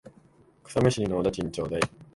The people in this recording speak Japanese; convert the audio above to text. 草むしりのお駄賃ちょうだい。